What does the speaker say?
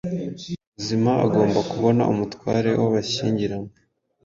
Muzima agomba kubona umutware wabashyingiranywe